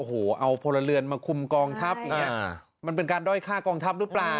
โอ้โหเอาพลเรือนมาคุมกองทัพอย่างนี้มันเป็นการด้อยฆ่ากองทัพหรือเปล่า